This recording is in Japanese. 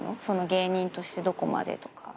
芸人としてどこまでとか。